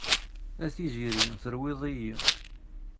A tiziri terwid-iyi.